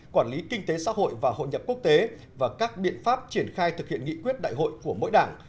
quản lý kinh tế xã hội và hội nhập quốc tế và các biện pháp triển khai thực hiện nghị quyết đại hội của mỗi đảng